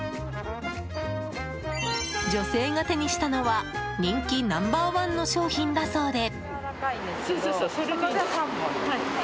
女性が手にしたのは人気ナンバーワンの商品だそうで。